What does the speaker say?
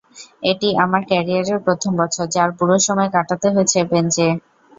এটি আমার ক্যারিয়ারের প্রথম বছর, যার পুরো সময় কাটাতে হয়েছে বেঞ্চে।